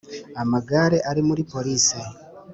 amagare ari muri police